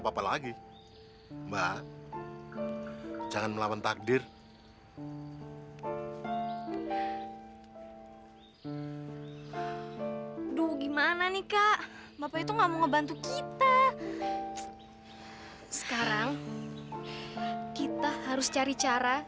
sampai jumpa di video selanjutnya